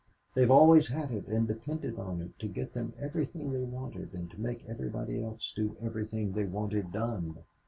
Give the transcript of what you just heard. They've always had it and depended on it to get them everything they wanted and to make everybody else do everything they wanted done.